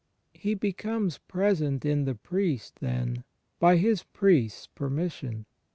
He becomes present in the priest, then, by His priest's permission.